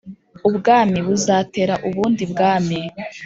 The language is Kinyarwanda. Ubwami Buzatera Ubundi Bwami